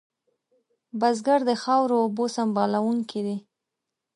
بزګر د خاورو اوبو سنبالونکی دی